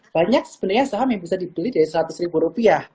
banyak sebenarnya saham yang bisa dibeli dari rp seratus